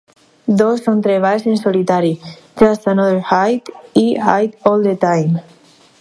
Dos són treballs en solitari: "Just Another High" i "High All The Time".